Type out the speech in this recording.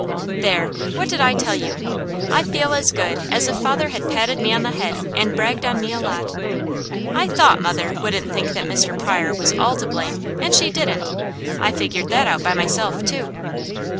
There! What did I tell you? I feel as good as if father had patted me on the head and bragged on me a lot. I THOUGHT mother wouldn't think that Mr. Pryor was ALL to blame, and she didn't. I figured that out by myself, too.